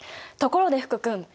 ところで福君。